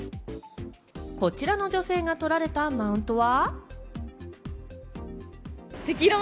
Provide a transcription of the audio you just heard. こちらの女性が取られたマウントは。